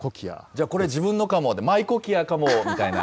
じゃあ、これ自分のかも、マイコキアかもみたいな。